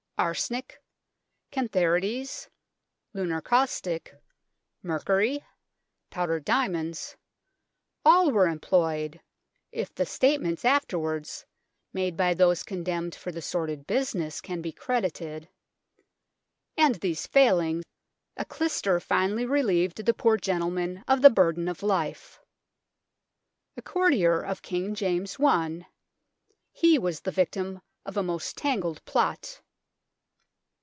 Arsenic, cantharides, lunar caustic, mercury, powdered diamonds, all were employed, if the statements after wards made by those condemned for the sordid business can be credited, and these failing, a clyster finally relieved the poor gentleman of the burden of life. A courtier of King James I, he was the victim of a most tangled plot.